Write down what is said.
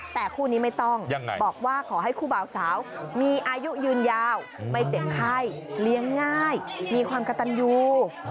แต่คู่นี้ไม่ต้องบอกว่าขอให้คู่บ่าวสาวมีอายุยืนยาวไม่เจ็บไข้เลี้ยงง่ายมีความกระตันยู